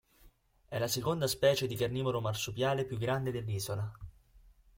È la seconda specie di carnivoro marsupiale più grande dell'isola.